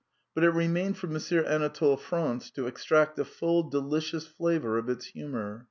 But it remained for M. Anatole France to extract the full delicious flavour of its humour.